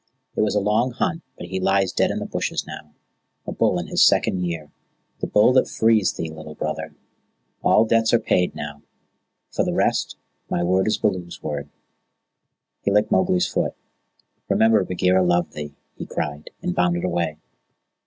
It was a long hunt, but he lies dead in the bushes now a bull in his second year the Bull that frees thee, Little Brother. All debts are paid now. For the rest, my word is Baloo's word." He licked Mowgli's foot. "Remember, Bagheera loved thee," he cried, and bounded away.